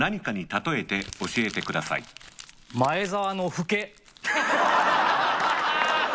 「前澤のフケ」。